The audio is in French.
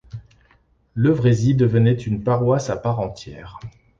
Levrézy devenait une paroisse à part entière.